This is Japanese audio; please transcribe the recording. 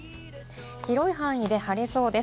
広い範囲で晴れそうです。